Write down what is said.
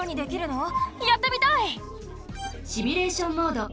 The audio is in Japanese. シミュレーション・モード。